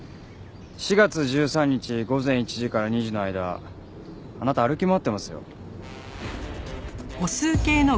４月１３日午前１時から２時の間あなた歩き回ってますよ。